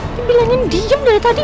aku bilangin diem dari tadi